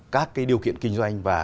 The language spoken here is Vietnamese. các cái điều kiện kinh doanh và